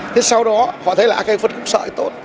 thế sau đó họ thấy là cái phân khúc sợi tốt